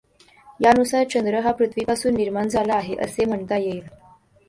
यानुसार चंद्र हा पृथ्वीपासूनच निर्माण झाला आहे, असे म्हणता येईल.